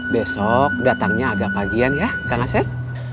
besok datangnya agak pagian ya kang aset